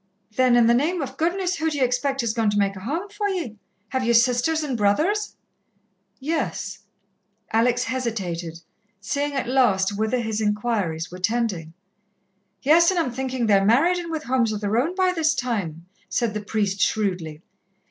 "Then, in the name of goodness, who do ye expect is going to make a home for ye? Have ye sisters and brothers?" "Yes." Alex hesitated, seeing at last whither his inquiries were tending. "Yes, and I'm thinking they're married and with homes of their own by this time," said the priest shrewdly.